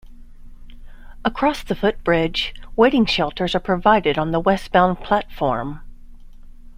Across the footbridge, waiting shelters are provided on the westbound platform.